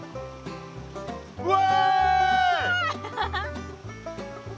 うわ！